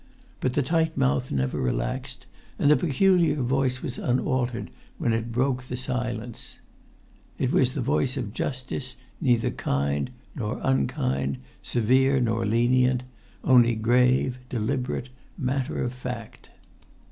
But the tight mouth never relaxed, and the peculiar voice was unaltered when it broke the silence. It was the voice of justice, neither kind nor unkind, severe nor lenient, only grave, deliberate, matter of fact.